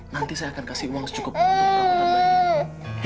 nanti saya akan kasih uang secukupnya